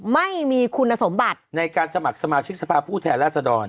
ไม่มีคุณสมบัติในการสมัครสมาชิกสภาพผู้แทนราษฎร